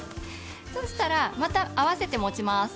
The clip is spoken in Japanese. そしたらまた合わせて持ちます。